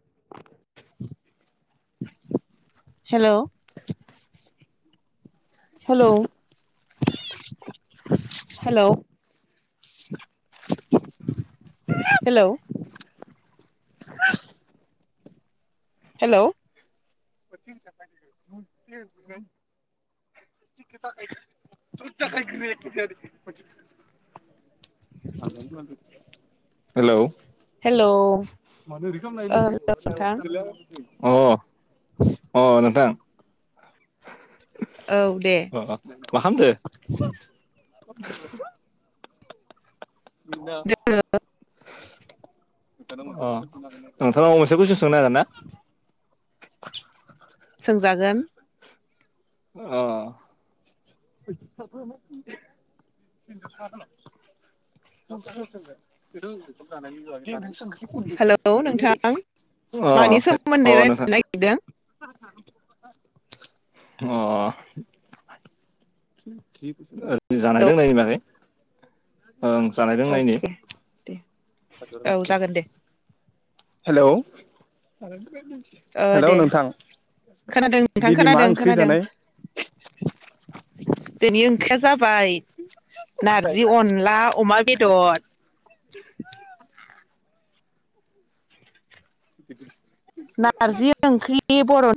[inaudible] Hello. Hello hello. Hello. Hello. [inaudible] [inaudible] [inaudible] Hello. Hello. [inaudible] ओ hello नोंथां अ। अ नोंथां। औ दे अ मा खामदो? [inaudible] [inaudible] अ जोङो नोंथांनाव मोनसे कुयसन सोंनो हागोन ना? सोंजागोन। अ। [unintelligible] हेलौ नोंथां मानि अ अ सोमोन्दै नोंथां रायज्लायनो नागिरदों? अ जानाय हेलौ लोंनायनि बागै ओं जानायदों अके दे औ लोंनायनि जागोन दे हेलौ ओ दे नोंथां खोनादों नोंथां खोनादों खोनादों दिनि ओंख्रिया जाबाय नारजि अनला अमा बेदद। [inaudible] नारजि ओंख्रि बर'